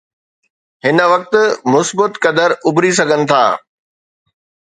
هن وقت مثبت قدر اڀري سگهن ٿا.